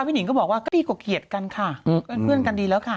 ก็ดีกว่าเกลียดกันค่ะเพื่อนเรื่องการดีแล้วค่ะ